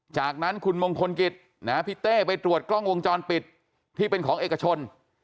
จากนั้นคุณมงคลกิจพี่เต้ไปตรวจกล้องวงจรปิดที่เป็นของเอกชน